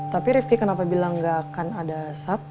tapi rifki kenapa bilang gak akan ada sap